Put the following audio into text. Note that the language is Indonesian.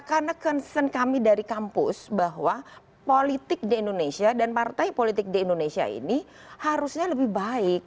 karena concern kami dari kampus bahwa politik di indonesia dan partai politik di indonesia ini harusnya lebih baik